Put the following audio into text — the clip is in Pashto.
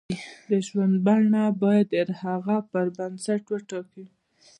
د ژوند بڼه باید د هغو پر بنسټ وټاکي.